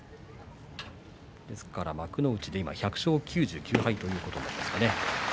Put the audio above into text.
ですから幕内で今、１００勝９９敗ということですかね。